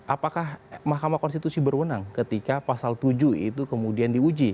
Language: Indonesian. apakah mahkamah konstitusi berwenang ketika pasal tujuh itu kemudian diuji